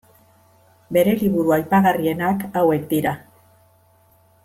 Bere liburu aipagarrienak hauek dira.